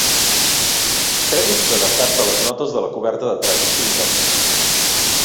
Crèdits adaptats de les notes de la coberta de "Tragic Kingdom".